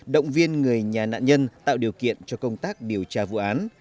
động viên người nhà nạn nhân tạo điều kiện cho công tác điều tra vụ án